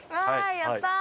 やったー！